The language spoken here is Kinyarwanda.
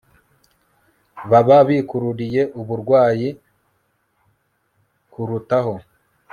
baba bikururiye uburwayi kurutaho